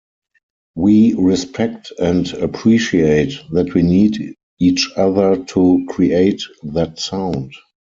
We respect and appreciate that we need each other to create that sound.